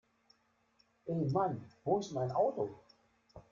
Ey Mann wo ist mein Auto?